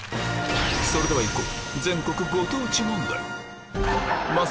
それではいこう！